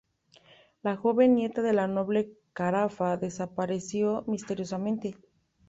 La joven, nieta de la noble Carafa, desapareció misteriosamente.